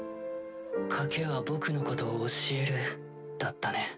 賭けは僕のことを教えるだったね。